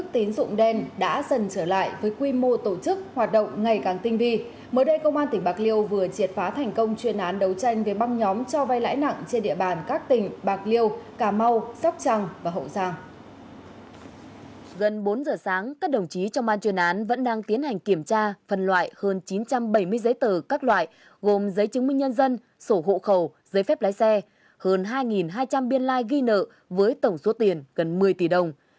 trên bốn giờ sáng các đồng chí trong ban truyền án vẫn đang tiến hành kiểm tra phần loại hơn chín trăm bảy mươi giấy tờ các loại gồm giấy chứng minh nhân dân sổ hộ khẩu giấy phép lái xe hơn hai hai trăm linh biên lai ghi nợ với tổng số tiền gần một mươi tỷ đồng